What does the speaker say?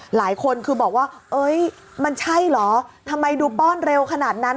หลายคนคือบอกว่าเอ้ยมันใช่เหรอทำไมดูป้อนเร็วขนาดนั้น